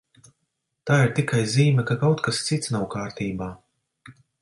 Tā ir tikai zīme, ka kaut kas cits nav kārtībā.